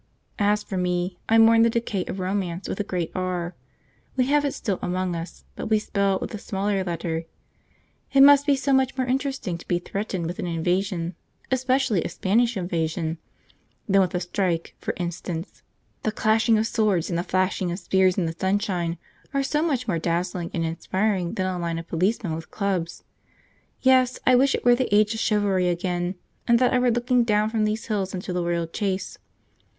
As for me, I mourn the decay of Romance with a great R; we have it still among us, but we spell it with a smaller letter. It must be so much more interesting to be threatened with an invasion, especially a Spanish invasion, than with a strike, for instance. The clashing of swords and the flashing of spears in the sunshine are so much more dazzling and inspiring than a line of policemen with clubs! Yes, I wish it were the age of chivalry again, and that I were looking down from these hills into the Royal Chase.